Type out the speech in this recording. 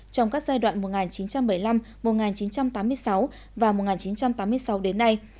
trong các giai đoạn một nghìn chín trăm bảy mươi năm một nghìn chín trăm tám mươi sáu và một nghìn chín trăm tám mươi sáu đến nay